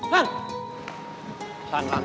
lan tunggu lan